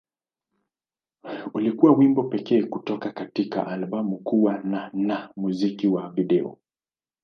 Ulikuwa wimbo pekee kutoka katika albamu kuwa na na muziki wa video.